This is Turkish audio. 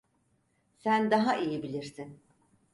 Sen daha iyi bilirsin.